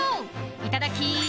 いただき！